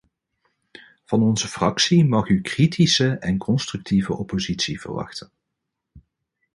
Van onze fractie mag u kritische en constructieve oppositie verwachten.